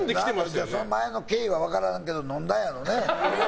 その前の経緯は分からないけど飲んだんやろうね。